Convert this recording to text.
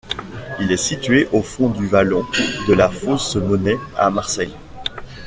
Il est situé au fond du Vallon de la Fausse-Monnaie à Marseille.